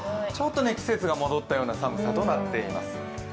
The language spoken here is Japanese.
ちょっと季節が戻ったような寒さとなっています。